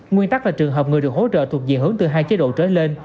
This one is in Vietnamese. nguyên tắc là trường hợp người được hỗ trợ thuộc diện hướng từ hai chế độ trở lên